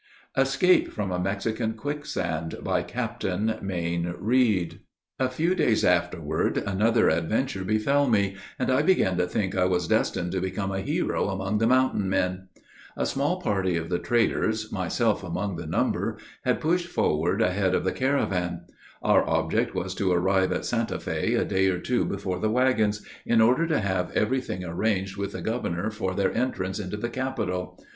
ESCAPE FROM A MEXICAN QUICKSAND BY CAPTAIN MAYNE REID. A few days afterward, another adventure befell me; and I began to think I was destined to become a hero among the "mountain men." A small party of the traders myself among the number had pushed forward ahead of the caravan. Our object was to arrive at Santa Fé a day or two before the wagons, in order to have every thing arranged with the governor for their entrance into the capital.